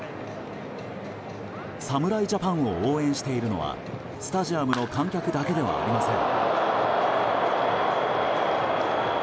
侍ジャパンを応援しているのはスタジアムの観客だけではありません。